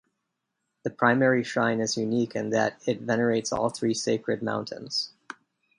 The primary shrine is unique in that it venerates all three sacred mountains.